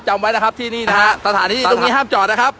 จำไว้นะครับที่นี่นะฮะสถานที่ตรงนี้ห้ามจอดนะครับ